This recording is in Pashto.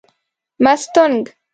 مستونگ